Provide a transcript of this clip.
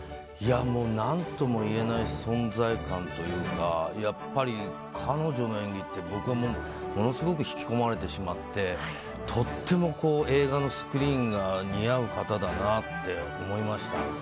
いやもう、なんともいえない存在感というか、やっぱり彼女の演技って、僕はものすごく引き込まれてしまって、とってもこう、映画のスクリーンが似合う方だなって思いました。